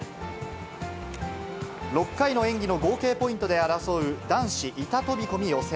６回の演技の合計ポイントで争う男子板飛び込み予選。